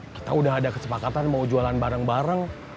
kita udah ada kesepakatan mau jualan bareng bareng